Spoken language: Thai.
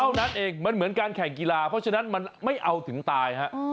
เท่านั้นเองมันเหมือนการแข่งกีฬาเพราะฉะนั้นมันไม่เอาถึงตายฮะ